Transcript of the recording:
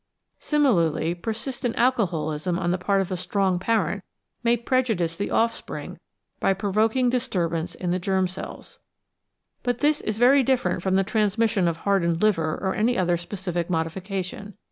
Similarly, persistent alco How Darwinism Stands To*Day 379 holism on the part of a strong parent may prejudice the off spring by provoking distiurbance in the germ cells. But this is very different from the transmission of hardened liver or any other specific modification.